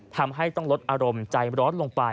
ทำให้ต้องลดอารมณ์ใจร้อนลงไป